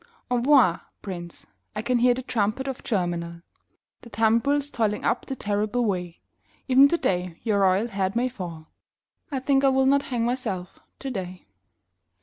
Envoi Prince, I can hear the trumpet of Germinal, The tumbrils toiling up the terrible way; Even today your royal head may fall I think I will not hang myself today.